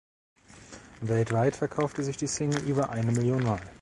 Weltweit verkaufte sich die Single über eine Million Mal.